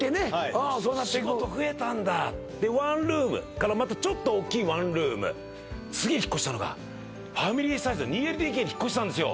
おおそうなってく仕事増えたんだでワンルームからまたちょっと大きいワンルーム次引っ越したのがファミリーサイズ２ＬＤＫに引っ越したんですよ